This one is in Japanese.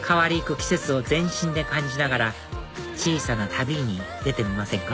季節を全身で感じながら小さな旅に出てみませんか？